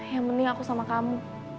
yang penting aku sama kamu